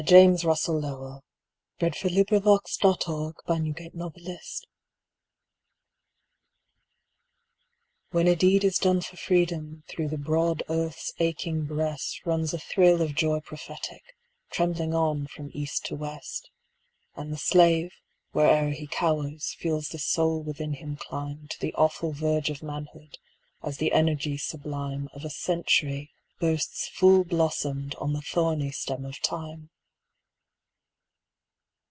James Russell Lowell 805. The Present Crisis WHEN a deed is done for Freedom, through the broad earth's aching breast Runs a thrill of joy prophetic, trembling on from east to west, And the slave, where'er he cowers, feels the soul within him climb To the awful verge of manhood, as the energy sublime Of a century bursts full blossomed on the thorny stem of Time.